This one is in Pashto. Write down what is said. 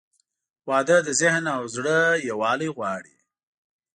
• واده د ذهن او زړه یووالی غواړي.